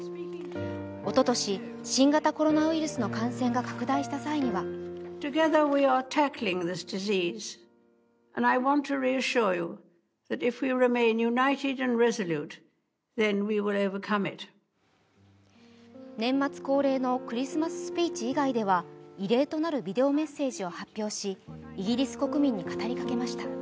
おととし、新型コロナウイルスの感染が拡大した際には年末恒例のクリスマススピーチ以来では異例となるビデオメッセージを発表し、イギリス国民に語りかけました。